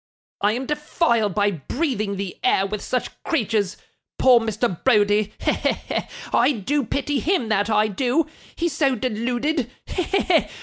'I am defiled by breathing the air with such creatures. Poor Mr. Browdie! He! he! he! I do pity him, that I do; he's so deluded.